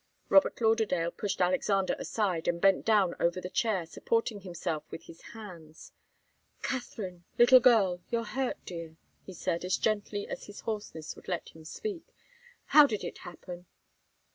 Robert Lauderdale pushed Alexander aside, and bent down over the chair, supporting himself with his hands. "Katharine little girl you're hurt, dear," he said, as gently as his hoarseness would let him speak. "How did it happen?"